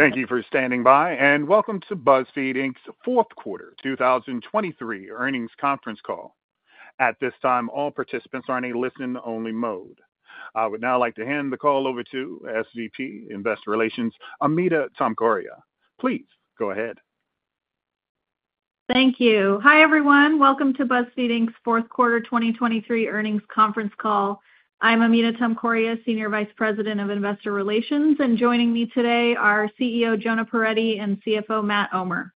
Thank you for standing by, and welcome to BuzzFeed Inc.'s fourth quarter 2023 earnings conference call. At this time, all participants are in a listen-only mode. I would now like to hand the call over to SVP Investor Relations, Amita Tomkoria. Please go ahead. Thank you. Hi everyone, welcome to BuzzFeed Inc.'s fourth quarter 2023 earnings conference call. I'm Amita Tomkoria, Senior Vice President of Investor Relations, and joining me today are CEO Jonah Peretti and CFO Matt Omer.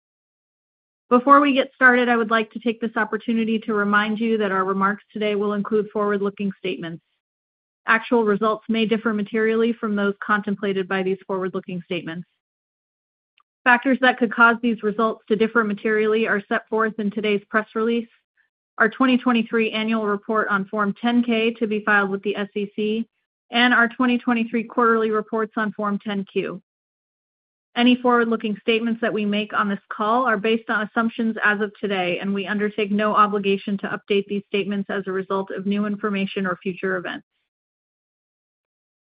Before we get started, I would like to take this opportunity to remind you that our remarks today will include forward-looking statements. Actual results may differ materially from those contemplated by these forward-looking statements. Factors that could cause these results to differ materially are set forth in today's press release, our 2023 annual report on Form 10-K to be filed with the SEC, and our 2023 quarterly reports on Form 10-Q. Any forward-looking statements that we make on this call are based on assumptions as of today, and we undertake no obligation to update these statements as a result of new information or future events.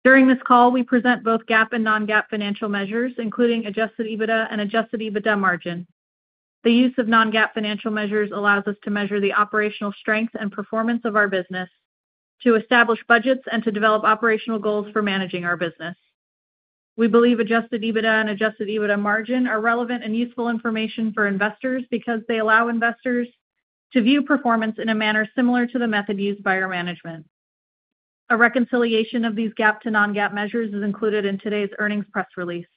During this call, we present both GAAP and non-GAAP financial measures, including adjusted EBITDA and adjusted EBITDA margin. The use of non-GAAP financial measures allows us to measure the operational strength and performance of our business, to establish budgets, and to develop operational goals for managing our business. We believe adjusted EBITDA and adjusted EBITDA margin are relevant and useful information for investors because they allow investors to view performance in a manner similar to the method used by our management. A reconciliation of these GAAP to non-GAAP measures is included in today's earnings press release.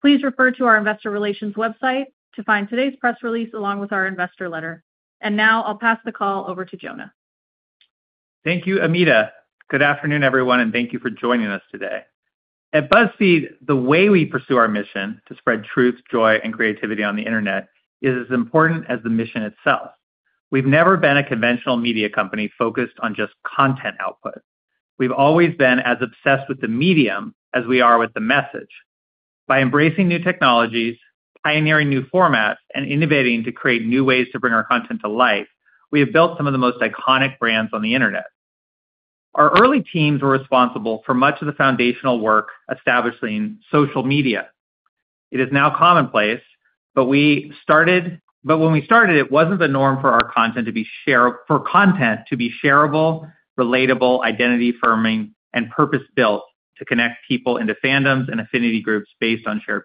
Please refer to our Investor Relations website to find today's press release along with our investor letter. And now I'll pass the call over to Jonah. Thank you, Amita. Good afternoon, everyone, and thank you for joining us today. At BuzzFeed, the way we pursue our mission to spread truth, joy, and creativity on the internet is as important as the mission itself. We've never been a conventional media company focused on just content output. We've always been as obsessed with the medium as we are with the message. By embracing new technologies, pioneering new formats, and innovating to create new ways to bring our content to life, we have built some of the most iconic brands on the internet. Our early teams were responsible for much of the foundational work establishing social media. It is now commonplace, but when we started, it wasn't the norm for our content to be shareable, relatable, identity-affirming, and purpose-built to connect people into fandoms and affinity groups based on shared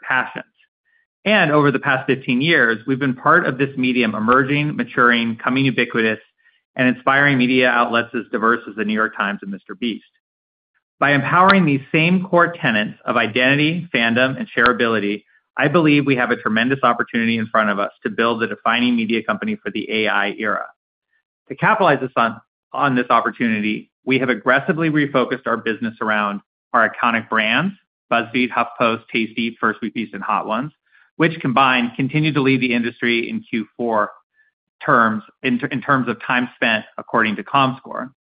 passions. Over the past 15 years, we've been part of this medium emerging, maturing, coming ubiquitous, and inspiring media outlets as diverse as The New York Times and MrBeast. By empowering these same core tenets of identity, fandom, and shareability, I believe we have a tremendous opportunity in front of us to build the defining media company for the AI era. To capitalize on this opportunity, we have aggressively refocused our business around our iconic brands: BuzzFeed, HuffPost, Tasty, First We Feast, and Hot Ones, which combine continue to lead the industry in Q4 terms in terms of time spent according to Comscore.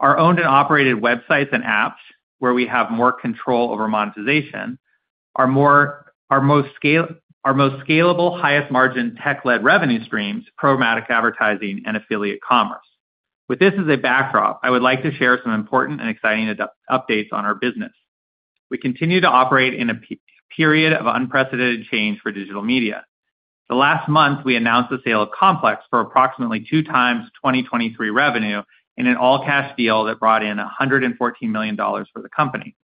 Our owned and operated websites and apps, where we have more control over monetization, are our most scalable, highest margin tech-led revenue streams: programmatic advertising and affiliate commerce. With this as a backdrop, I would like to share some important and exciting updates on our business. We continue to operate in a period of unprecedented change for digital media. Last month, we announced the sale of Complex for approximately 2 times 2023 revenue in an all-cash deal that brought in $114 million for the company.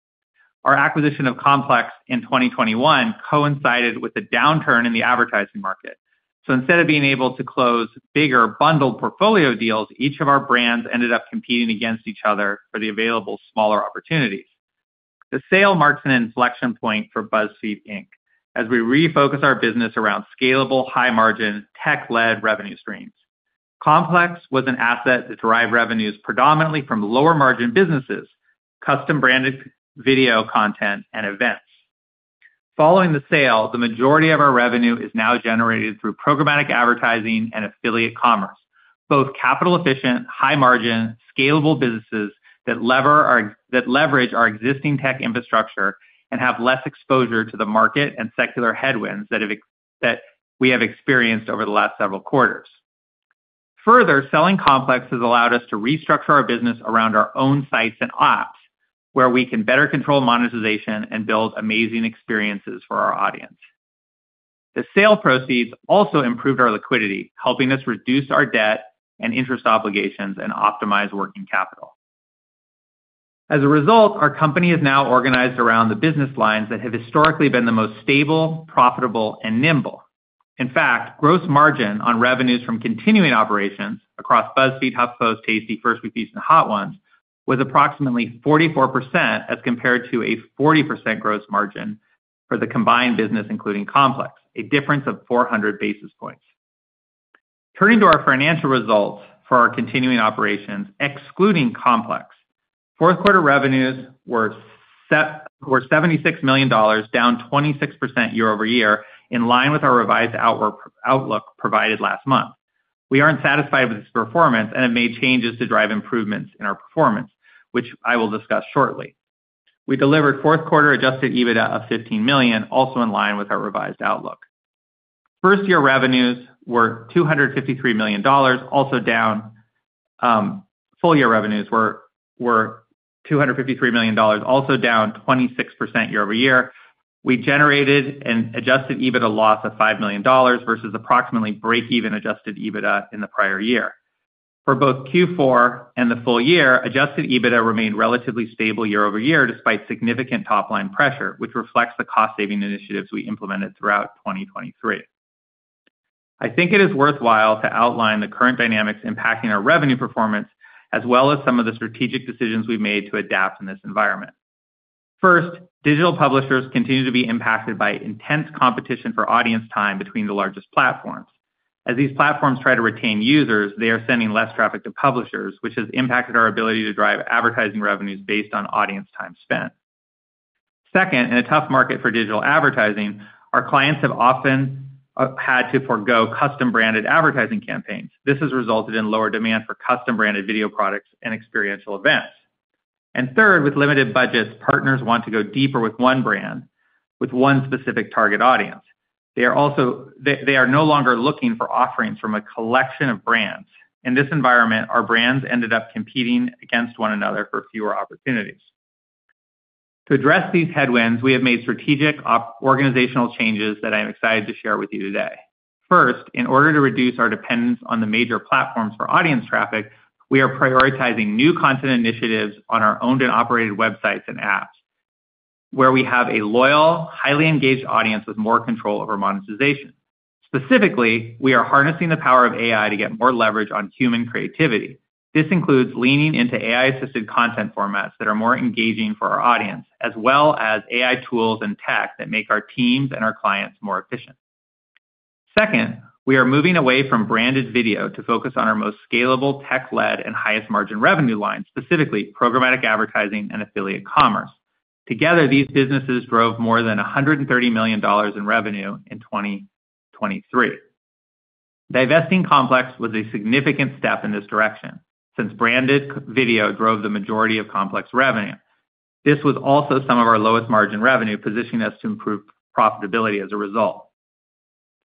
Our acquisition of Complex in 2021 coincided with a downturn in the advertising market. Instead of being able to close bigger, bundled portfolio deals, each of our brands ended up competing against each other for the available smaller opportunities. The sale marks an inflection point for BuzzFeed, Inc. as we refocus our business around scalable, high-margin, tech-led revenue streams. Complex was an asset that derived revenues predominantly from lower-margin businesses, custom-branded video content, and events. Following the sale, the majority of our revenue is now generated through programmatic advertising and affiliate commerce, both capital-efficient, high-margin, scalable businesses that leverage our existing tech infrastructure and have less exposure to the market and secular headwinds that we have experienced over the last several quarters. Further, selling Complex has allowed us to restructure our business around our own sites and apps, where we can better control monetization and build amazing experiences for our audience. The sale proceeds also improved our liquidity, helping us reduce our debt and interest obligations and optimize working capital. As a result, our company is now organized around the business lines that have historically been the most stable, profitable, and nimble. In fact, gross margin on revenues from continuing operations across BuzzFeed, HuffPost, Tasty, First We Feast, and Hot Ones was approximately 44% as compared to a 40% gross margin for the combined business, including Complex, a difference of 400 basis points. Turning to our financial results for our continuing operations, excluding Complex, fourth quarter revenues were $76 million, down 26% year-over-year, in line with our revised outlook provided last month. We aren't satisfied with its performance, and it made changes to drive improvements in our performance, which I will discuss shortly. We delivered fourth quarter adjusted EBITDA of $15 million, also in line with our revised outlook. Full-year revenues were $253 million, also down. Full-year revenues were $253 million, also down 26% year-over-year. We generated an adjusted EBITDA loss of $5 million versus approximately break-even adjusted EBITDA in the prior year. For both Q4 and the full year, Adjusted EBITDA remained relatively stable year-over-year despite significant top-line pressure, which reflects the cost-saving initiatives we implemented throughout 2023. I think it is worthwhile to outline the current dynamics impacting our revenue performance as well as some of the strategic decisions we've made to adapt in this environment. First, digital publishers continue to be impacted by intense competition for audience time between the largest platforms. As these platforms try to retain users, they are sending less traffic to publishers, which has impacted our ability to drive advertising revenues based on audience time spent. Second, in a tough market for digital advertising, our clients have often had to forgo custom-branded advertising campaigns. This has resulted in lower demand for custom-branded video products and experiential events. And third, with limited budgets, partners want to go deeper with one brand, with one specific target audience. They are no longer looking for offerings from a collection of brands. In this environment, our brands ended up competing against one another for fewer opportunities. To address these headwinds, we have made strategic organizational changes that I am excited to share with you today. First, in order to reduce our dependence on the major platforms for audience traffic, we are prioritizing new content initiatives on our owned and operated websites and apps, where we have a loyal, highly engaged audience with more control over monetization. Specifically, we are harnessing the power of AI to get more leverage on human creativity. This includes leaning into AI-assisted content formats that are more engaging for our audience, as well as AI tools and tech that make our teams and our clients more efficient. Second, we are moving away from branded video to focus on our most scalable, tech-led, and highest-margin revenue lines, specifically programmatic advertising and affiliate commerce. Together, these businesses drove more than $130 million in revenue in 2023. Divesting Complex was a significant step in this direction since branded video drove the majority of Complex revenue. This was also some of our lowest margin revenue, positioning us to improve profitability as a result.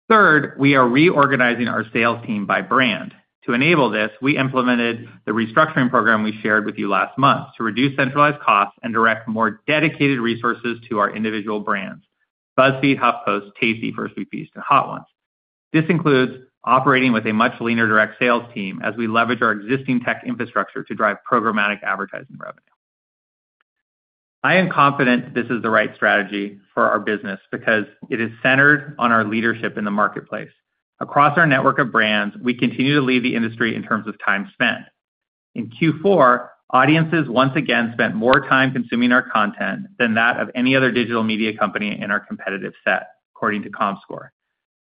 Third, we are reorganizing our sales team by brand. To enable this, we implemented the restructuring program we shared with you last month to reduce centralized costs and direct more dedicated resources to our individual brands: BuzzFeed, HuffPost, Tasty, First We Feast, and Hot Ones. This includes operating with a much leaner direct sales team as we leverage our existing tech infrastructure to drive programmatic advertising revenue. I am confident this is the right strategy for our business because it is centered on our leadership in the marketplace. Across our network of brands, we continue to lead the industry in terms of time spent. In Q4, audiences once again spent more time consuming our content than that of any other digital media company in our competitive set, according to Comscore.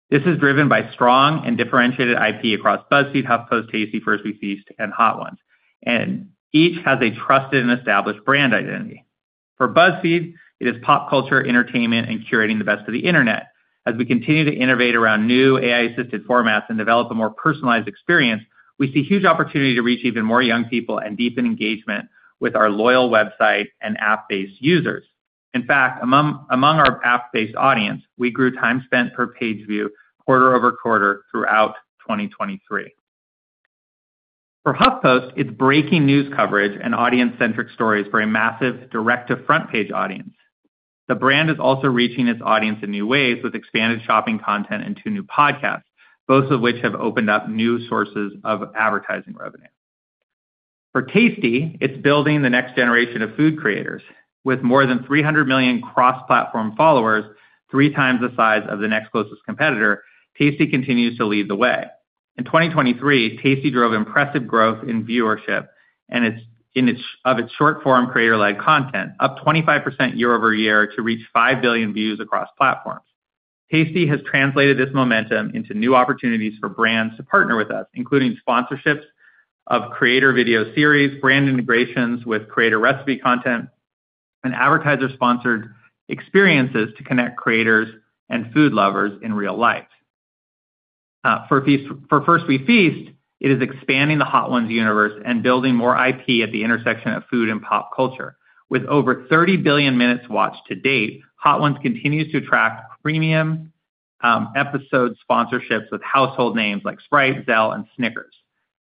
This is driven by strong and differentiated IP across BuzzFeed, HuffPost, Tasty, First We Feast, and Hot Ones, and each has a trusted and established brand identity. For BuzzFeed, it is pop culture, entertainment, and curating the best for the internet. As we continue to innovate around new AI-assisted formats and develop a more personalized experience, we see huge opportunity to reach even more young people and deepen engagement with our loyal website and app-based users. In fact, among our app-based audience, we grew time spent per page view quarter-over-quarter throughout 2023. For HuffPost, it's breaking news coverage and audience-centric stories for a massive direct-to-front page audience. The brand is also reaching its audience in new ways with expanded shopping content and two new podcasts, both of which have opened up new sources of advertising revenue. For Tasty, it's building the next generation of food creators. With more than 300 million cross-platform followers, three times the size of the next closest competitor, Tasty continues to lead the way. In 2023, Tasty drove impressive growth in viewership of its short-form creator-led content, up 25% year-over-year to reach 5 billion views across platforms. Tasty has translated this momentum into new opportunities for brands to partner with us, including sponsorships of creator video series, brand integrations with creator recipe content, and advertiser-sponsored experiences to connect creators and food lovers in real life. For First We Feast, it is expanding the Hot Ones universe and building more IP at the intersection of food and pop culture. With over 30 billion minutes watched to date, Hot Ones continues to attract premium episode sponsorships with household names like Sprite, Zelle, and Snickers.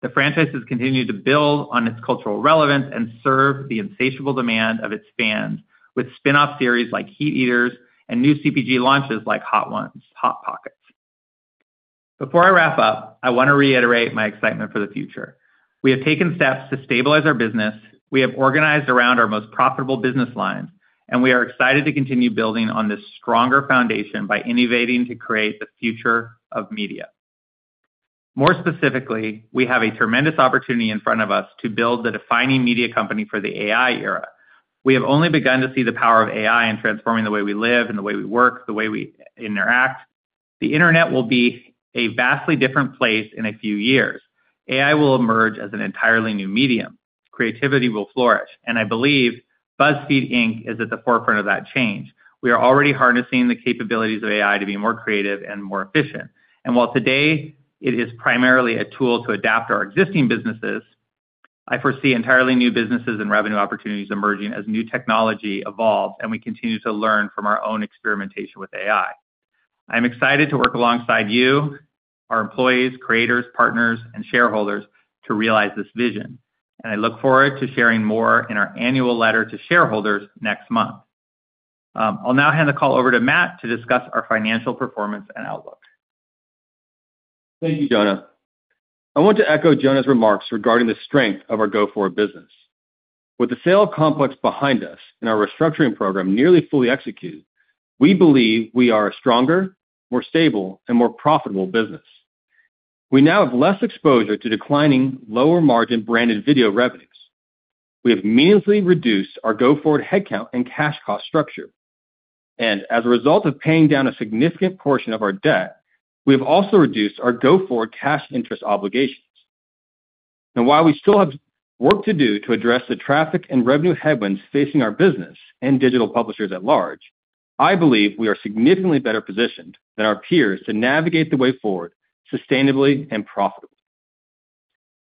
The franchise has continued to build on its cultural relevance and serve the insatiable demand of its fans with spinoff series like Heat Eaters and new CPG launches like Hot Ones Hot Pockets. Before I wrap up, I want to reiterate my excitement for the future. We have taken steps to stabilize our business. We have organized around our most profitable business lines, and we are excited to continue building on this stronger foundation by innovating to create the future of media. More specifically, we have a tremendous opportunity in front of us to build the defining media company for the AI era. We have only begun to see the power of AI in transforming the way we live and the way we work, the way we interact. The internet will be a vastly different place in a few years. AI will emerge as an entirely new medium. Creativity will flourish. And I believe BuzzFeed, Inc., is at the forefront of that change. We are already harnessing the capabilities of AI to be more creative and more efficient. And while today it is primarily a tool to adapt our existing businesses, I foresee entirely new businesses and revenue opportunities emerging as new technology evolves and we continue to learn from our own experimentation with AI. I am excited to work alongside you, our employees, creators, partners, and shareholders to realize this vision. And I look forward to sharing more in our annual letter to shareholders next month. I'll now hand the call over to Matt to discuss our financial performance and outlook. Thank you, Jonah. I want to echo Jonah's remarks regarding the strength of our go-forward business. With the sale of Complex behind us and our restructuring program nearly fully executed, we believe we are a stronger, more stable, and more profitable business. We now have less exposure to declining, lower-margin branded video revenues. We have meaningfully reduced our go-forward headcount and cash cost structure. As a result of paying down a significant portion of our debt, we have also reduced our go-forward cash interest obligations. While we still have work to do to address the traffic and revenue headwinds facing our business and digital publishers at large, I believe we are significantly better positioned than our peers to navigate the way forward sustainably and profitably.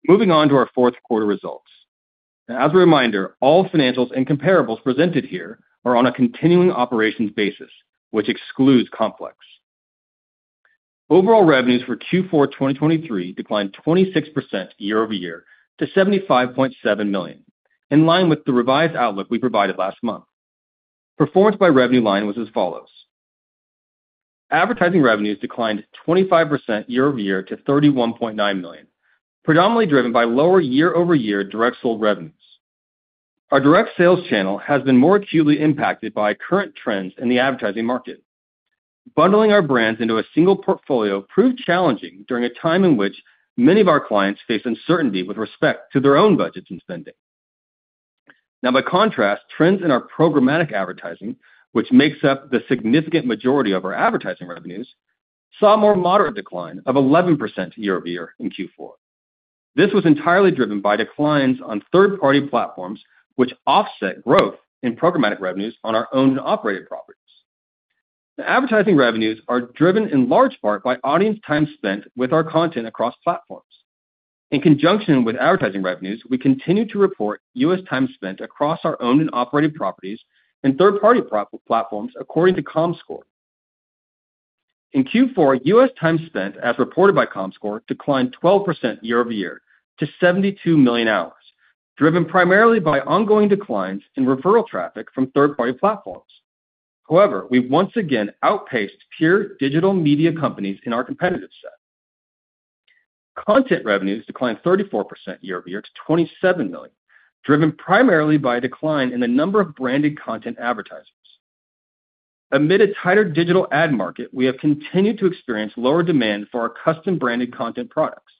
Moving on to our fourth quarter results. As a reminder, all financials and comparables presented here are on a continuing operations basis, which excludes Complex. Overall revenues for Q4 2023 declined 26% year-over-year to $75.7 million, in line with the revised outlook we provided last month. Performance by revenue line was as follows. Advertising revenues declined 25% year-over-year to $31.9 million, predominantly driven by lower year-over-year direct-sold revenues. Our direct sales channel has been more acutely impacted by current trends in the advertising market. Bundling our brands into a single portfolio proved challenging during a time in which many of our clients face uncertainty with respect to their own budgets and spending. Now, by contrast, trends in our programmatic advertising, which makes up the significant majority of our advertising revenues, saw a more moderate decline of 11% year-over-year in Q4. This was entirely driven by declines on third-party platforms, which offset growth in programmatic revenues on our owned and operated properties. Advertising revenues are driven in large part by audience time spent with our content across platforms. In conjunction with advertising revenues, we continue to report U.S. time spent across our owned and operated properties and third-party platforms according to Comscore. In Q4, U.S. time spent, as reported by Comscore, declined 12% year-over-year to 72 million hours, driven primarily by ongoing declines in referral traffic from third-party platforms. However, we once again outpaced pure digital media companies in our competitive set. Content revenues declined 34% year-over-year to $27 million, driven primarily by a decline in the number of branded content advertisers. Amid a tighter digital ad market, we have continued to experience lower demand for our custom-branded content products,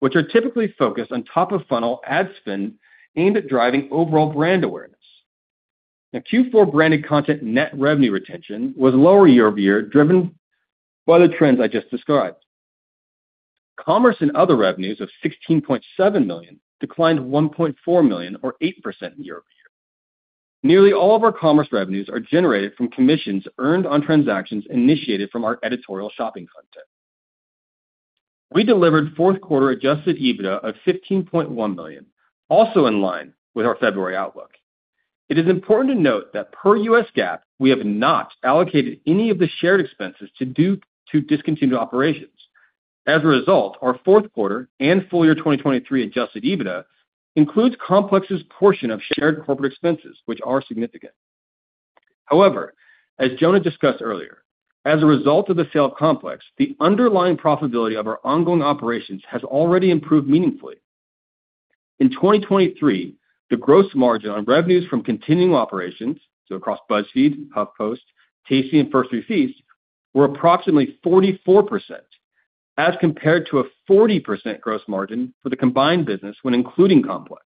which are typically focused on top-of-funnel ad spin aimed at driving overall brand awareness. Q4 branded content net revenue retention was lower year-over-year driven by the trends I just described. Commerce and other revenues of $16.7 million declined $1.4 million, or 8% year-over-year. Nearly all of our commerce revenues are generated from commissions earned on transactions initiated from our editorial shopping content. We delivered fourth quarter adjusted EBITDA of $15.1 million, also in line with our February outlook. It is important to note that per US GAAP, we have not allocated any of the shared expenses to discontinued operations. As a result, our fourth quarter and full year 2023 adjusted EBITDA includes Complex's portion of shared corporate expenses, which are significant. However, as Jonah discussed earlier, as a result of the sale of Complex, the underlying profitability of our ongoing operations has already improved meaningfully. In 2023, the gross margin on revenues from continuing operations (so across BuzzFeed, HuffPost, Tasty, and First We Feast) were approximately 44% as compared to a 40% gross margin for the combined business when including Complex.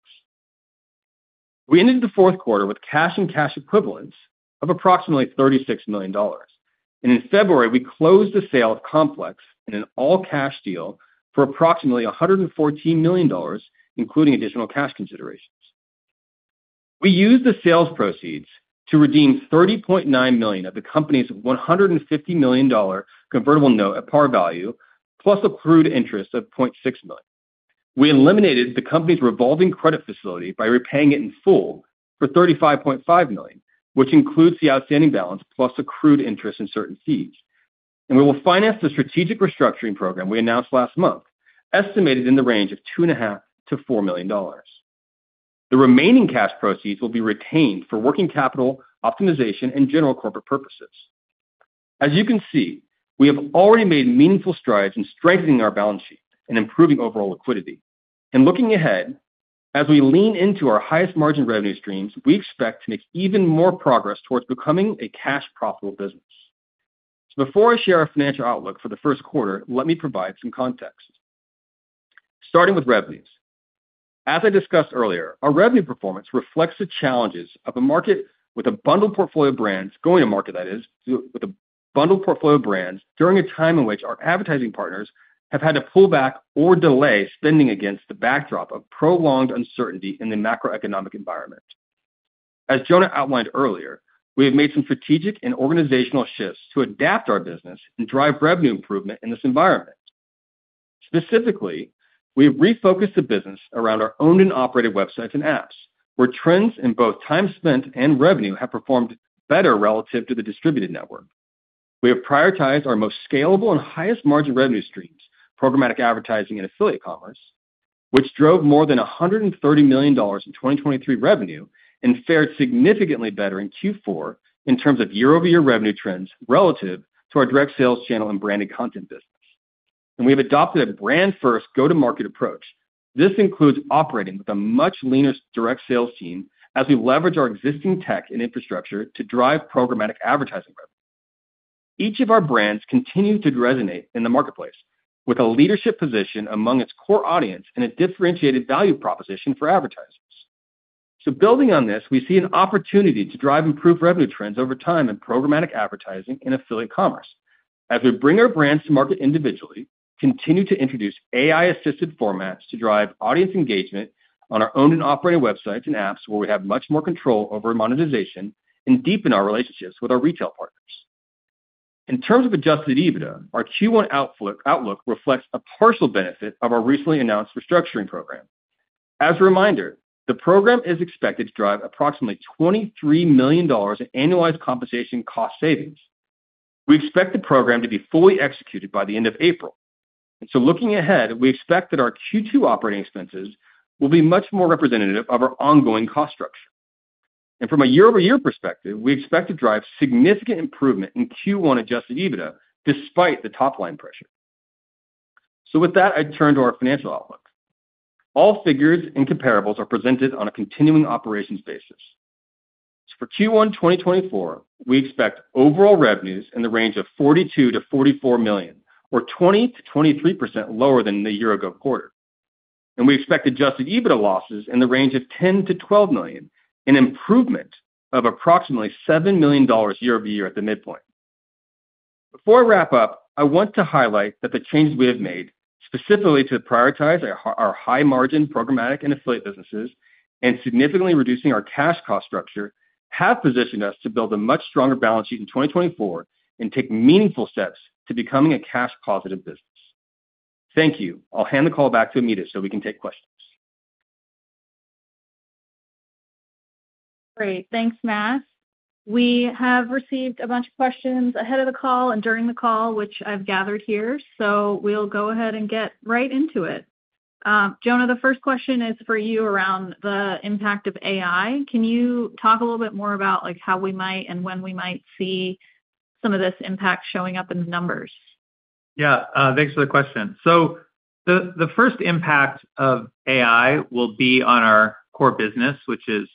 We ended the fourth quarter with cash and cash equivalents of approximately $36 million. And in February, we closed the sale of Complex in an all-cash deal for approximately $114 million, including additional cash considerations. We used the sales proceeds to redeem 30.9 million of the company's $150 million convertible note at par value, plus accrued interest of $0.6 million. We eliminated the company's revolving credit facility by repaying it in full for $35.5 million, which includes the outstanding balance plus accrued interest and certain fees. We will finance the strategic restructuring program we announced last month, estimated in the range of $2.5-$4 million. The remaining cash proceeds will be retained for working capital, optimization, and general corporate purposes. As you can see, we have already made meaningful strides in strengthening our balance sheet and improving overall liquidity. Looking ahead, as we lean into our highest margin revenue streams, we expect to make even more progress towards becoming a cash-profitable business. Before I share our financial outlook for the first quarter, let me provide some context. Starting with revenues. As I discussed earlier, our revenue performance reflects the challenges of a market with a bundled portfolio of brands, going to market, that is, with a bundled portfolio of brands during a time in which our advertising partners have had to pull back or delay spending against the backdrop of prolonged uncertainty in the macroeconomic environment. As Jonah outlined earlier, we have made some strategic and organizational shifts to adapt our business and drive revenue improvement in this environment. Specifically, we have refocused the business around our owned and operated websites and apps, where trends in both time spent and revenue have performed better relative to the distributed network. We have prioritized our most scalable and highest margin revenue streams, programmatic advertising and affiliate commerce, which drove more than $130 million in 2023 revenue and fared significantly better in Q4 in terms of year-over-year revenue trends relative to our direct sales channel and branded content business. We have adopted a brand-first go-to-market approach. This includes operating with a much leaner direct sales team as we leverage our existing tech and infrastructure to drive programmatic advertising revenue. Each of our brands continues to resonate in the marketplace with a leadership position among its core audience and a differentiated value proposition for advertisers. Building on this, we see an opportunity to drive improved revenue trends over time in programmatic advertising and affiliate commerce as we bring our brands to market individually, continue to introduce AI-assisted formats to drive audience engagement on our owned and operated websites and apps where we have much more control over monetization and deepen our relationships with our retail partners. In terms of Adjusted EBITDA, our Q1 outlook reflects a partial benefit of our recently announced restructuring program. As a reminder, the program is expected to drive approximately $23 million in annualized compensation cost savings. We expect the program to be fully executed by the end of April. So looking ahead, we expect that our Q2 operating expenses will be much more representative of our ongoing cost structure. From a year-over-year perspective, we expect to drive significant improvement in Q1 Adjusted EBITDA despite the top-line pressure. With that, I turn to our financial outlook. All figures and comparables are presented on a continuing operations basis. For Q1 2024, we expect overall revenues in the range of $42 million-$44 million, or 20%-23% lower than the year-ago quarter. We expect Adjusted EBITDA losses in the range of $10 million-$12 million, an improvement of approximately $7 million year-over-year at the midpoint. Before I wrap up, I want to highlight that the changes we have made, specifically to prioritize our high-margin programmatic and affiliate businesses and significantly reducing our cash cost structure, have positioned us to build a much stronger balance sheet in 2024 and take meaningful steps to becoming a cash-positive business. Thank you. I'll hand the call back to Amita so we can take questions. Great. Thanks, Matt. We have received a bunch of questions ahead of the call and during the call, which I've gathered here. So we'll go ahead and get right into it. Jonah, the first question is for you around the impact of AI. Can you talk a little bit more about how we might and when we might see some of this impact showing up in the numbers? Yeah. Thanks for the question. So the first impact of AI will be on our core business, which is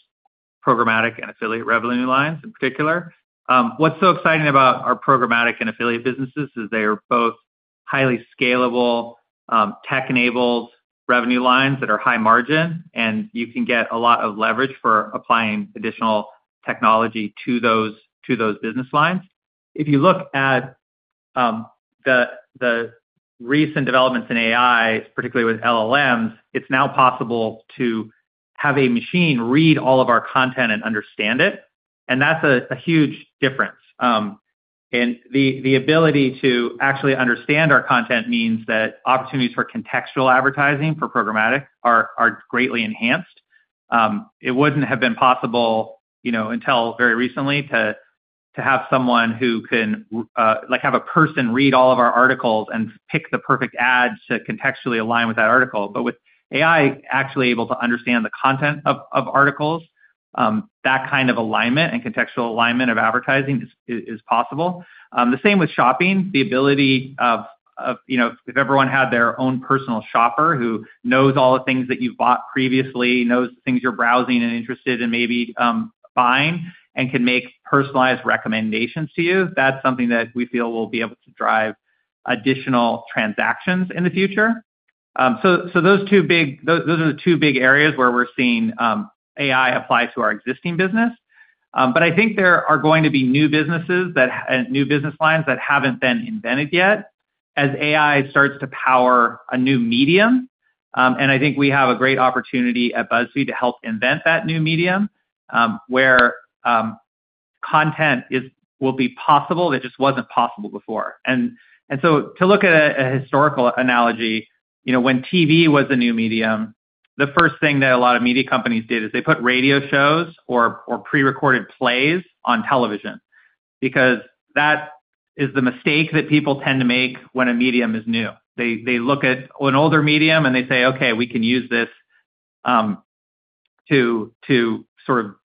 programmatic and affiliate revenue lines in particular. What's so exciting about our programmatic and affiliate businesses is they are both highly scalable, tech-enabled revenue lines that are high margin, and you can get a lot of leverage for applying additional technology to those business lines. If you look at the recent developments in AI, particularly with LLMs, it's now possible to have a machine read all of our content and understand it. And that's a huge difference. And the ability to actually understand our content means that opportunities for contextual advertising for programmatic are greatly enhanced. It wouldn't have been possible until very recently to have someone who can have a person read all of our articles and pick the perfect ad to contextually align with that article. But with AI actually able to understand the content of articles, that kind of alignment and contextual alignment of advertising is possible. The same with shopping, the ability of if everyone had their own personal shopper who knows all the things that you've bought previously, knows the things you're browsing and interested in maybe buying, and can make personalized recommendations to you, that's something that we feel will be able to drive additional transactions in the future. So those are the two big areas where we're seeing AI apply to our existing business. But I think there are going to be new businesses and new business lines that haven't been invented yet as AI starts to power a new medium. And I think we have a great opportunity at BuzzFeed to help invent that new medium where content will be possible that just wasn't possible before. And so to look at a historical analogy, when TV was a new medium, the first thing that a lot of media companies did is they put radio shows or prerecorded plays on television because that is the mistake that people tend to make when a medium is new. They look at an older medium and they say, "Okay, we can use this to sort of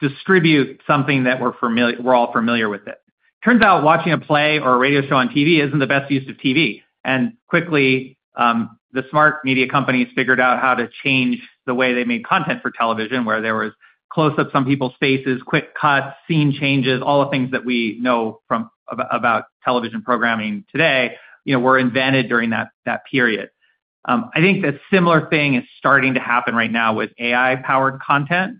distribute something that we're all familiar with it." Turns out watching a play or a radio show on TV isn't the best use of TV. And quickly, the smart media companies figured out how to change the way they made content for television, where there was close-ups on people's faces, quick cuts, scene changes, all the things that we know about television programming today were invented during that period. I think a similar thing is starting to happen right now with AI-powered content,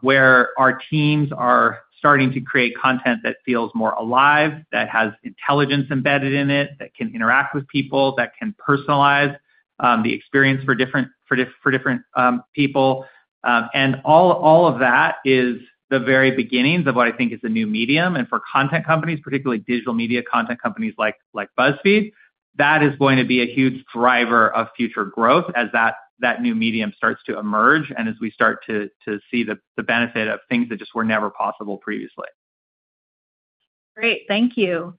where our teams are starting to create content that feels more alive, that has intelligence embedded in it, that can interact with people, that can personalize the experience for different people. All of that is the very beginnings of what I think is a new medium. For content companies, particularly digital media content companies like BuzzFeed, that is going to be a huge driver of future growth as that new medium starts to emerge and as we start to see the benefit of things that just were never possible previously. Great. Thank you.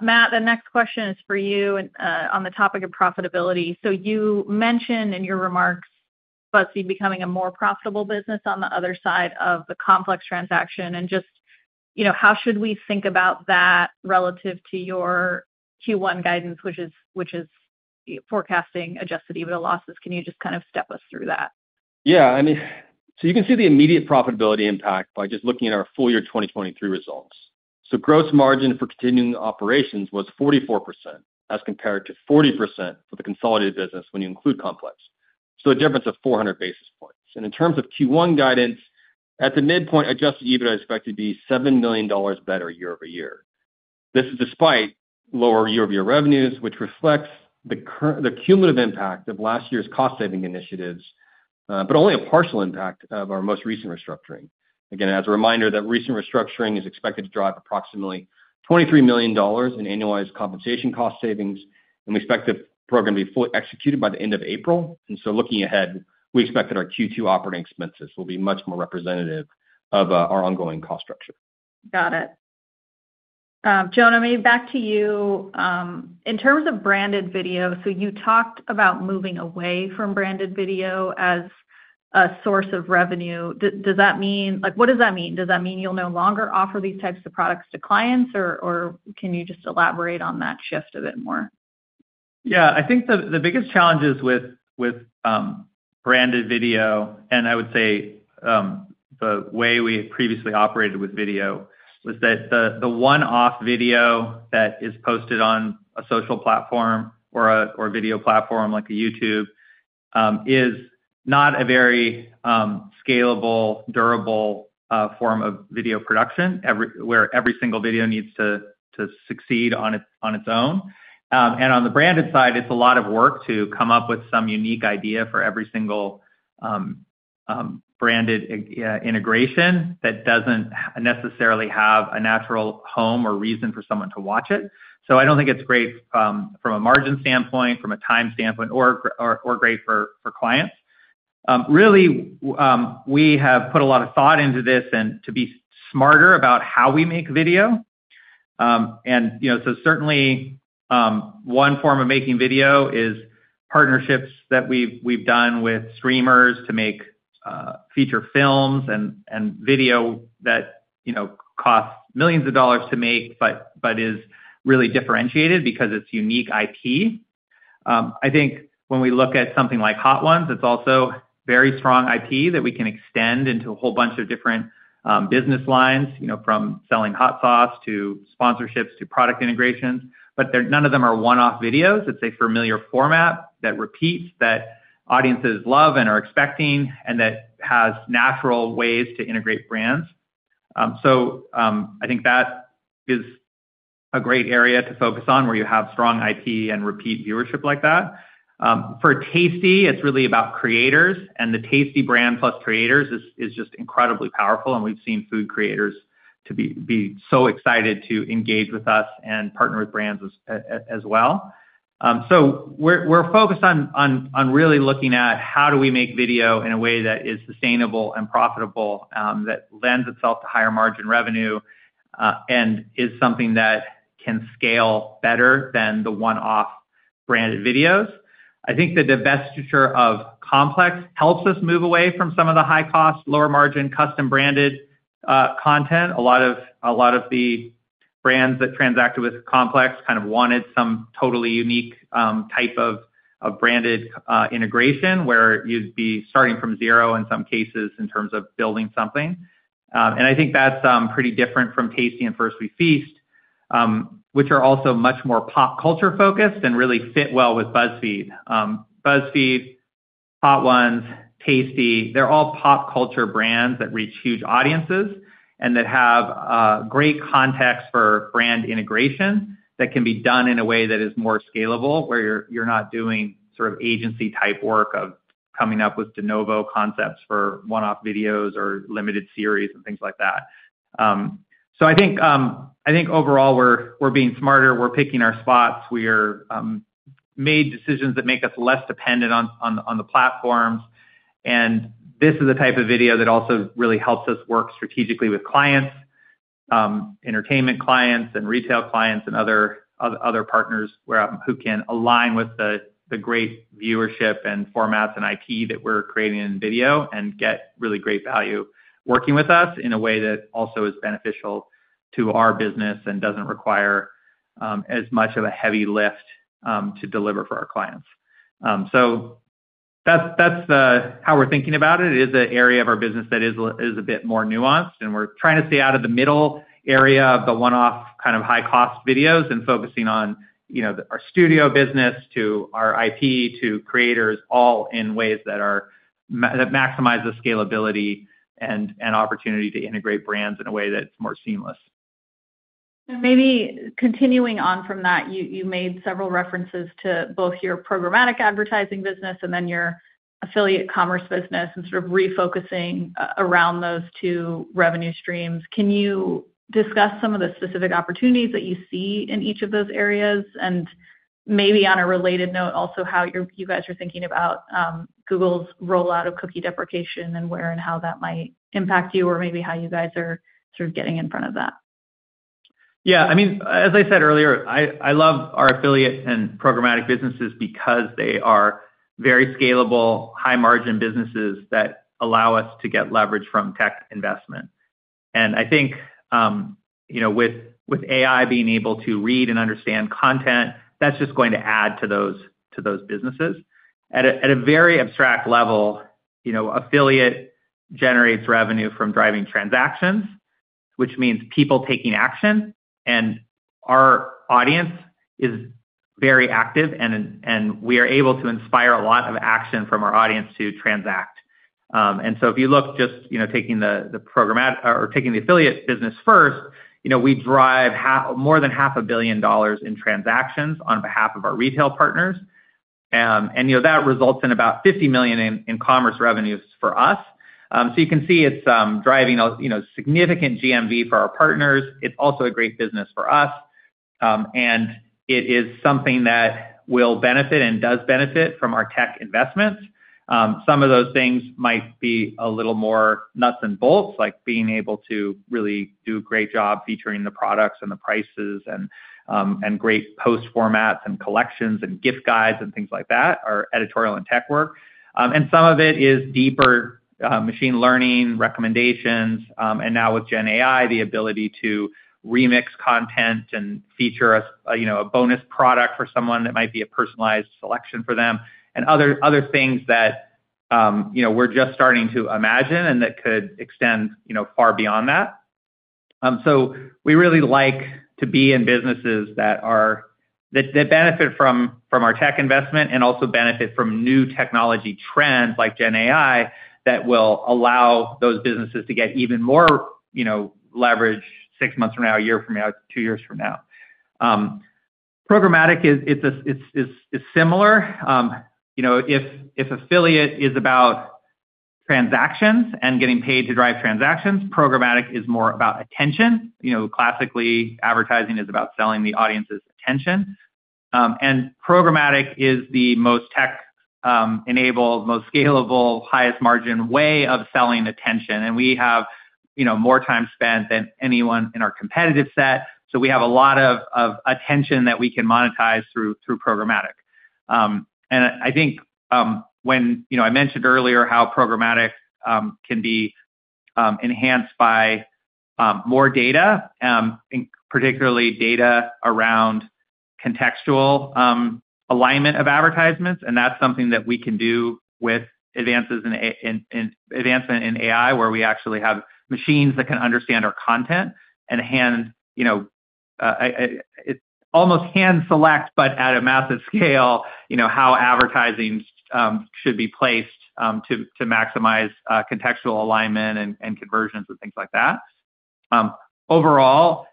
Matt, the next question is for you on the topic of profitability. So you mentioned in your remarks BuzzFeed becoming a more profitable business on the other side of the Complex transaction. And just how should we think about that relative to your Q1 guidance, which is forecasting Adjusted EBITDA losses? Can you just kind of step us through that? Yeah. I mean, so you can see the immediate profitability impact by just looking at our full year 2023 results. So gross margin for continuing operations was 44% as compared to 40% for the consolidated business when you include Complex. So a difference of 400 basis points. And in terms of Q1 guidance, at the midpoint, adjusted EBITDA is expected to be $7 million better year-over-year. This is despite lower year-over-year revenues, which reflects the cumulative impact of last year's cost-saving initiatives, but only a partial impact of our most recent restructuring. Again, as a reminder that recent restructuring is expected to drive approximately $23 million in annualized compensation cost savings, and we expect the program to be fully executed by the end of April. And so looking ahead, we expect that our Q2 operating expenses will be much more representative of our ongoing cost structure. Got it. Jonah, maybe back to you. In terms of branded video, so you talked about moving away from branded video as a source of revenue. What does that mean? Does that mean you'll no longer offer these types of products to clients, or can you just elaborate on that shift a bit more? Yeah. I think the biggest challenges with branded video, and I would say the way we previously operated with video, was that the one-off video that is posted on a social platform or a video platform like YouTube is not a very scalable, durable form of video production where every single video needs to succeed on its own. And on the branded side, it's a lot of work to come up with some unique idea for every single branded integration that doesn't necessarily have a natural home or reason for someone to watch it. So I don't think it's great from a margin standpoint, from a time standpoint, or great for clients. Really, we have put a lot of thought into this and to be smarter about how we make video. And so certainly, one form of making video is partnerships that we've done with streamers to make feature films and video that cost millions of dollars to make but is really differentiated because it's unique IP. I think when we look at something like Hot Ones, it's also very strong IP that we can extend into a whole bunch of different business lines, from selling hot sauce to sponsorships to product integrations. But none of them are one-off videos. It's a familiar format that repeats, that audiences love and are expecting, and that has natural ways to integrate brands. So I think that is a great area to focus on where you have strong IP and repeat viewership like that. For Tasty, it's really about creators. And the Tasty brand plus creators is just incredibly powerful. We've seen food creators be so excited to engage with us and partner with brands as well. So we're focused on really looking at how do we make video in a way that is sustainable and profitable, that lends itself to higher margin revenue, and is something that can scale better than the one-off branded videos. I think that the vestige of Complex helps us move away from some of the high-cost, lower-margin, custom-branded content. A lot of the brands that transacted with Complex kind of wanted some totally unique type of branded integration where you'd be starting from zero in some cases in terms of building something. And I think that's pretty different from Tasty and First We Feast, which are also much more pop culture-focused and really fit well with BuzzFeed. BuzzFeed, Hot Ones, Tasty, they're all pop culture brands that reach huge audiences and that have great context for brand integration that can be done in a way that is more scalable, where you're not doing sort of agency-type work of coming up with de novo concepts for one-off videos or limited series and things like that. So I think overall, we're being smarter. We're picking our spots. We have made decisions that make us less dependent on the platforms. This is the type of video that also really helps us work strategically with clients, entertainment clients, and retail clients and other partners who can align with the great viewership and formats and IP that we're creating in video and get really great value working with us in a way that also is beneficial to our business and doesn't require as much of a heavy lift to deliver for our clients. So that's how we're thinking about it. It is an area of our business that is a bit more nuanced. We're trying to stay out of the middle area of the one-off kind of high-cost videos and focusing on our studio business to our IP to creators, all in ways that maximize the scalability and opportunity to integrate brands in a way that's more seamless. Maybe continuing on from that, you made several references to both your programmatic advertising business and then your affiliate commerce business and sort of refocusing around those two revenue streams. Can you discuss some of the specific opportunities that you see in each of those areas? Maybe on a related note, also how you guys are thinking about Google's rollout of cookie deprecation and where and how that might impact you or maybe how you guys are sort of getting in front of that? Yeah. I mean, as I said earlier, I love our affiliate and programmatic businesses because they are very scalable, high-margin businesses that allow us to get leverage from tech investment. And I think with AI being able to read and understand content, that's just going to add to those businesses. At a very abstract level, affiliate generates revenue from driving transactions, which means people taking action. And our audience is very active, and we are able to inspire a lot of action from our audience to transact. And so if you look just taking the programmatic or taking the affiliate business first, we drive more than $500 million in transactions on behalf of our retail partners. And that results in about $50 million in commerce revenues for us. So you can see it's driving significant GMV for our partners. It's also a great business for us. And it is something that will benefit and does benefit from our tech investments. Some of those things might be a little more nuts and bolts, like being able to really do a great job featuring the products and the prices and great post-formats and collections and gift guides and things like that, our editorial and tech work. And some of it is deeper machine learning recommendations. And now with Gen AI, the ability to remix content and feature a bonus product for someone that might be a personalized selection for them and other things that we're just starting to imagine and that could extend far beyond that. So we really like to be in businesses that benefit from our tech investment and also benefit from new technology trends like Gen AI that will allow those businesses to get even more leverage 6 months from now, 1 year from now, 2 years from now. Programmatic, it's similar. If affiliate is about transactions and getting paid to drive transactions, programmatic is more about attention. Classically, advertising is about selling the audience's attention. And programmatic is the most tech-enabled, most scalable, highest-margin way of selling attention. And we have more time spent than anyone in our competitive set. So we have a lot of attention that we can monetize through programmatic. And I think when I mentioned earlier how programmatic can be enhanced by more data, particularly data around contextual alignment of advertisements. That's something that we can do with advancement in AI, where we actually have machines that can understand our content and almost hand-select, but at a massive scale, how advertising should be placed to maximize contextual alignment and conversions and things like that. Overall,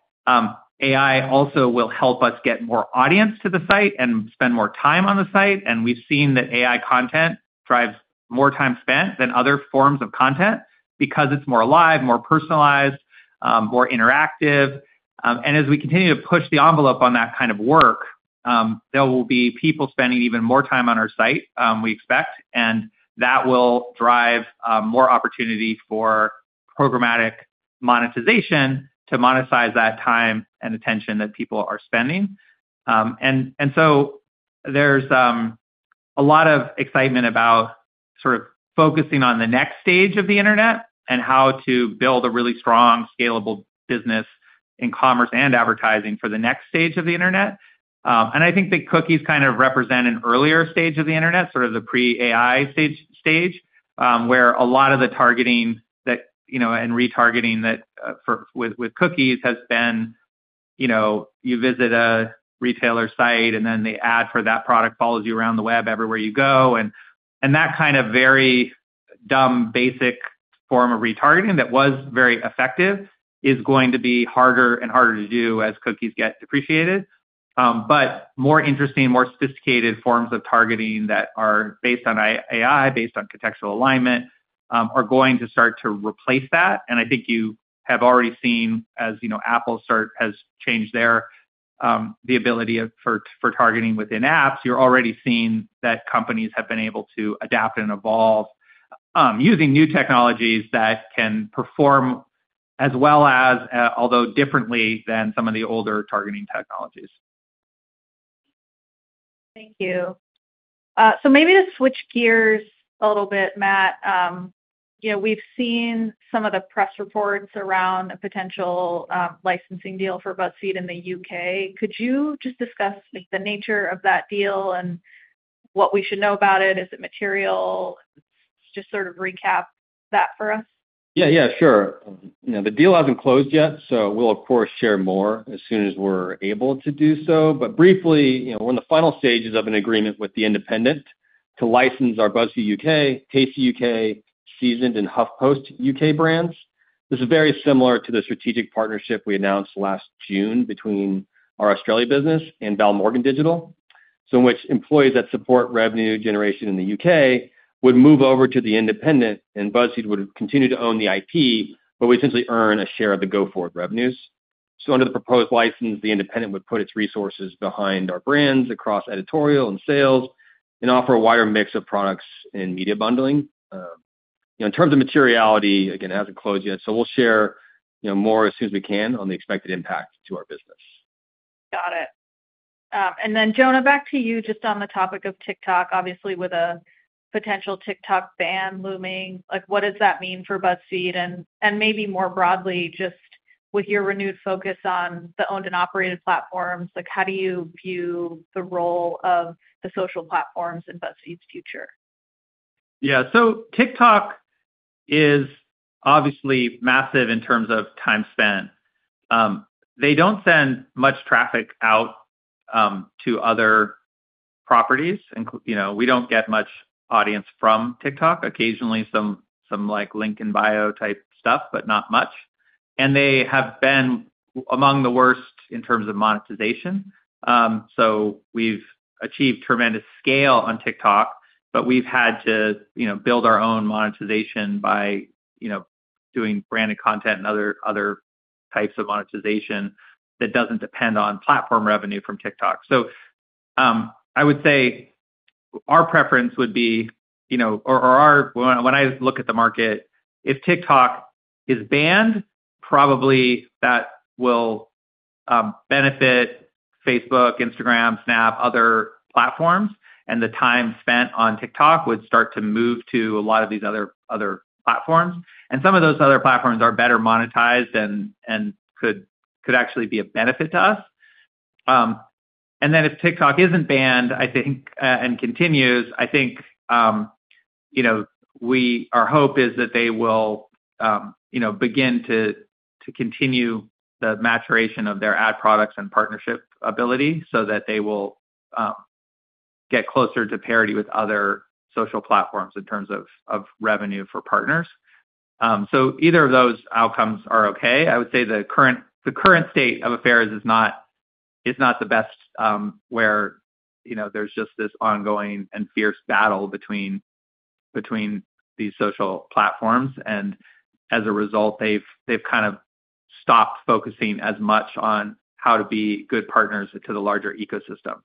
AI also will help us get more audience to the site and spend more time on the site. We've seen that AI content drives more time spent than other forms of content because it's more live, more personalized, more interactive. As we continue to push the envelope on that kind of work, there will be people spending even more time on our site, we expect. That will drive more opportunity for programmatic monetization to monetize that time and attention that people are spending. So there's a lot of excitement about sort of focusing on the next stage of the internet and how to build a really strong, scalable business in commerce and advertising for the next stage of the internet. I think that cookies kind of represent an earlier stage of the internet, sort of the pre-AI stage, where a lot of the targeting and retargeting with cookies has been you visit a retailer site, and then the ad for that product follows you around the web everywhere you go. That kind of very dumb, basic form of retargeting that was very effective is going to be harder and harder to do as cookies get deprecated. More interesting, more sophisticated forms of targeting that are based on AI, based on contextual alignment, are going to start to replace that. I think you have already seen, as Apple has changed their ability for targeting within apps, you're already seeing that companies have been able to adapt and evolve using new technologies that can perform as well as, although differently, than some of the older targeting technologies. Thank you. Maybe to switch gears a little bit, Matt, we've seen some of the press reports around a potential licensing deal for BuzzFeed in the U.K. Could you just discuss the nature of that deal and what we should know about it? Is it material? Just sort of recap that for us. Yeah, yeah, sure. The deal hasn't closed yet, so we'll, of course, share more as soon as we're able to do so. But briefly, we're in the final stages of an agreement with The Independent to license our BuzzFeed UK, Tasty UK, Seasoned, and HuffPost UK brands. This is very similar to the strategic partnership we announced last June between our Australia business and Val Morgan Digital, so in which employees that support revenue generation in the U.K. would move over to The Independent, and BuzzFeed would continue to own the IP, but we essentially earn a share of the go-forward revenues. So under the proposed license, The Independent would put its resources behind our brands across editorial and sales and offer a wider mix of products and media bundling. In terms of materiality, again, it hasn't closed yet. We'll share more as soon as we can on the expected impact to our business. Got it. And then, Jonah, back to you just on the topic of TikTok, obviously, with a potential TikTok ban looming. What does that mean for BuzzFeed? And maybe more broadly, just with your renewed focus on the owned and operated platforms, how do you view the role of the social platforms in BuzzFeed's future? Yeah. So TikTok is obviously massive in terms of time spent. They don't send much traffic out to other properties. We don't get much audience from TikTok, occasionally some link in bio type stuff, but not much. And they have been among the worst in terms of monetization. So we've achieved tremendous scale on TikTok, but we've had to build our own monetization by doing branded content and other types of monetization that doesn't depend on platform revenue from TikTok. So I would say our preference would be or when I look at the market, if TikTok is banned, probably that will benefit Facebook, Instagram, Snap, other platforms. And the time spent on TikTok would start to move to a lot of these other platforms. And some of those other platforms are better monetized and could actually be a benefit to us. Then if TikTok isn't banned, I think, and continues, I think our hope is that they will begin to continue the maturation of their ad products and partnership ability so that they will get closer to parity with other social platforms in terms of revenue for partners. So either of those outcomes are okay. I would say the current state of affairs is not the best where there's just this ongoing and fierce battle between these social platforms. And as a result, they've kind of stopped focusing as much on how to be good partners to the larger ecosystem.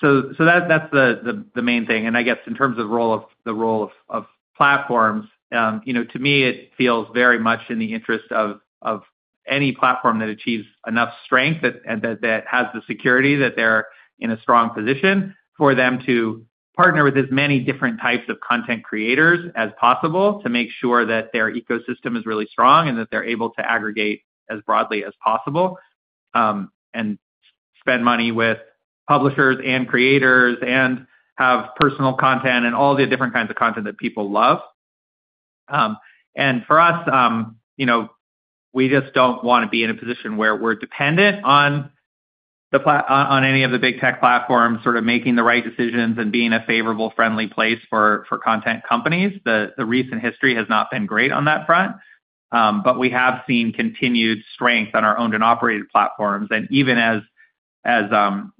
So that's the main thing. I guess in terms of the role of platforms, to me, it feels very much in the interest of any platform that achieves enough strength and that has the security that they're in a strong position for them to partner with as many different types of content creators as possible to make sure that their ecosystem is really strong and that they're able to aggregate as broadly as possible and spend money with publishers and creators and have personal content and all the different kinds of content that people love. For us, we just don't want to be in a position where we're dependent on any of the big tech platforms, sort of making the right decisions and being a favorable, friendly place for content companies. The recent history has not been great on that front. But we have seen continued strength on our owned and operated platforms. Even as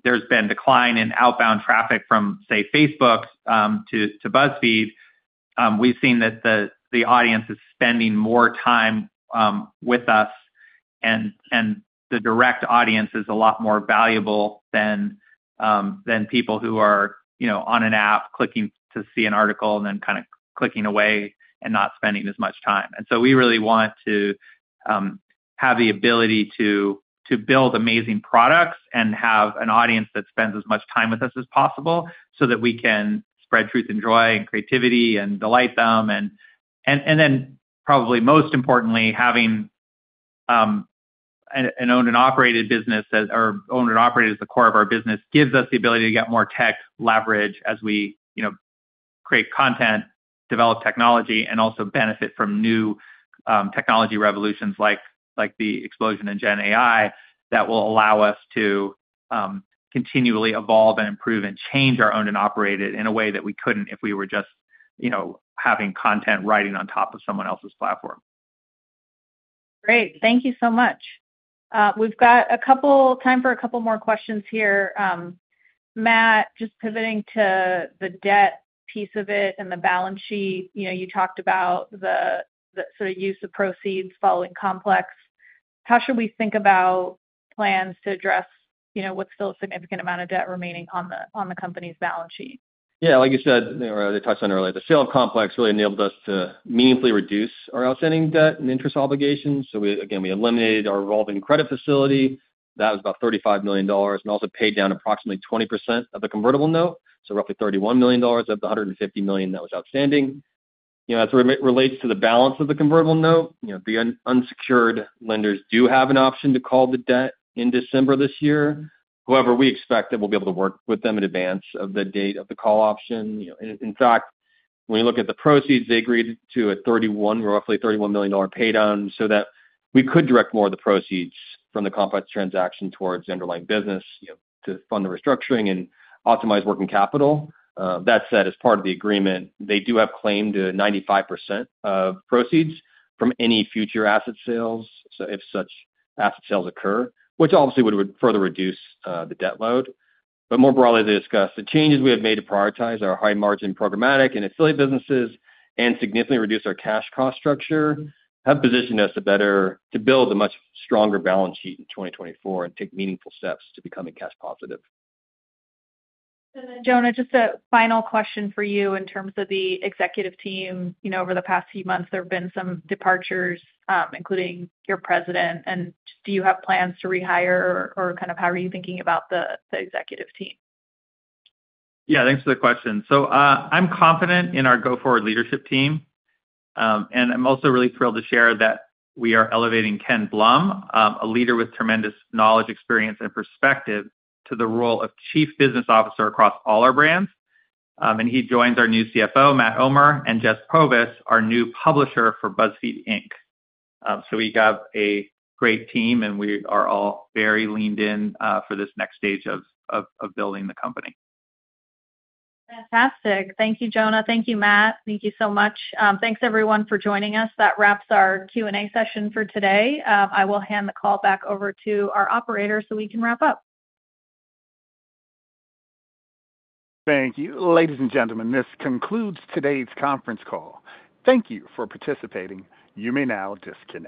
there's been decline in outbound traffic from, say, Facebook to BuzzFeed, we've seen that the audience is spending more time with us. The direct audience is a lot more valuable than people who are on an app clicking to see an article and then kind of clicking away and not spending as much time. So we really want to have the ability to build amazing products and have an audience that spends as much time with us as possible so that we can spread truth and joy and creativity and delight them. And then probably most importantly, having an owned and operated business or owned and operated as the core of our business gives us the ability to get more tech leverage as we create content, develop technology, and also benefit from new technology revolutions like the explosion in Gen AI that will allow us to continually evolve and improve and change our owned and operated in a way that we couldn't if we were just having content writing on top of someone else's platform. Great. Thank you so much. We've got time for a couple more questions here. Matt, just pivoting to the debt piece of it and the balance sheet, you talked about the sort of use of proceeds following Complex. How should we think about plans to address what's still a significant amount of debt remaining on the company's balance sheet? Yeah. Like you said, or as I touched on earlier, the sale of Complex really enabled us to meaningfully reduce our outstanding debt and interest obligations. So again, we eliminated our revolving credit facility. That was about $35 million and also paid down approximately 20% of the convertible note, so roughly $31 million of the $150 million that was outstanding. As it relates to the balance of the convertible note, the unsecured lenders do have an option to call the debt in December this year. However, we expect that we'll be able to work with them in advance of the date of the call option. In fact, when you look at the proceeds, they agreed to a roughly $31 million paydown so that we could direct more of the proceeds from the Complex transaction towards the underlying business to fund the restructuring and optimize working capital. That said, as part of the agreement, they do have claim to 95% of proceeds from any future asset sales, so if such asset sales occur, which obviously would further reduce the debt load. But more broadly, they discussed the changes we have made to prioritize our high-margin programmatic and affiliate businesses and significantly reduce our cash cost structure have positioned us to build a much stronger balance sheet in 2024 and take meaningful steps to becoming cash positive. Then, Jonah, just a final question for you in terms of the executive team. Over the past few months, there have been some departures, including your president. Do you have plans to rehire or kind of how are you thinking about the executive team? Yeah, thanks for the question. So I'm confident in our go-forward leadership team. And I'm also really thrilled to share that we are elevating Ken Blom, a leader with tremendous knowledge, experience, and perspective to the role of Chief Business Officer across all our brands. And he joins our new CFO, Matt Omer, and Jess Probus, our new Publisher for BuzzFeed, Inc. So we have a great team, and we are all very leaned in for this next stage of building the company. Fantastic. Thank you, Jonah. Thank you, Matt. Thank you so much. Thanks, everyone, for joining us. That wraps our Q&A session for today. I will hand the call back over to our operator so we can wrap up. Thank you. Ladies and gentlemen, this concludes today's conference call. Thank you for participating. You may now disconnect.